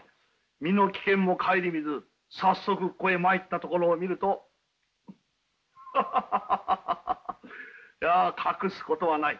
身の危険も顧みず早速ここへ参ったところを見るとハハハハハいや隠すことはない。